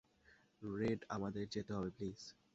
Red আমাদের যেতে হবে, প্লিজ।